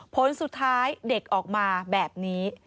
ผลสุดท้ายเด็กออกมาแบบนี้